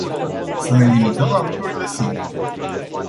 Să ne limităm la lucrurile simple.